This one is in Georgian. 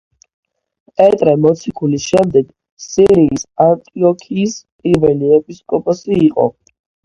პეტრე მოციქულის შემდეგ სირიის ანტიოქიის პირველი ეპისკოპოსი იყო.